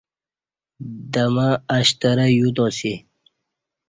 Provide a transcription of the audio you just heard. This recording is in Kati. دمہ ا شترہ یوتاسی